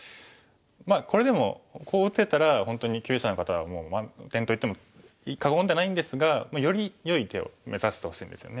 まあこれでもこう打てたら本当に級位者の方はもう満点といっても過言ではないんですがよりよい手を目指してほしいんですよね。